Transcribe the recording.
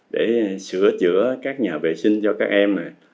để sửa chữa các nhà vệ sinh cho các em